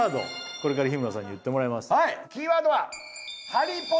これから日村さんに言ってもらいます